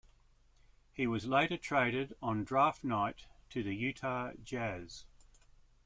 He was later traded on draft night to the Utah Jazz.